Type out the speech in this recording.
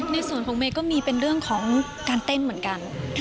ในส่วนของเมย์ก็มีเป็นเรื่องของการเต้นเหมือนกัน